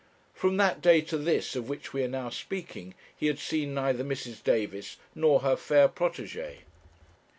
From that day to this of which we are now speaking he had seen neither Mrs. Davis nor her fair protégée.